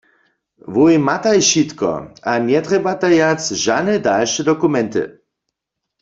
Wój mataj wšitko a njetrjebataj wjac žane dalše dokumenty.